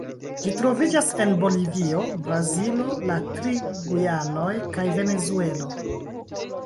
Ĝi troviĝas en Bolivio, Brazilo, la tri Gujanoj kaj Venezuelo.